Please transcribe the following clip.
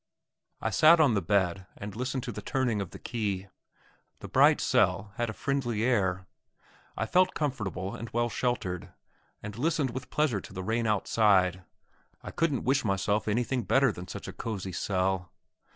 I sat on the bed and listened to the turning of the key. The bright cell had a friendly air; I felt comfortably and well sheltered; and listened with pleasure to the rain outside I couldn't wish myself anything better than such a cosy cell.